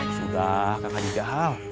sudah kakak jahal